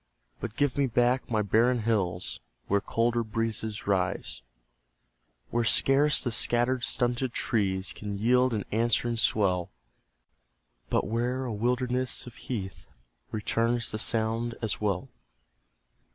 But give me back my barren hills Where colder breezes rise; Where scarce the scattered, stunted trees Can yield an answering swell, But where a wilderness of heath Returns the sound as well.